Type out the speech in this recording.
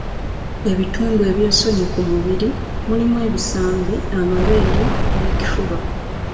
Ebitundu ebyensonyi ku mubiri mulimu ebisambi, amabeere n'ekifuba.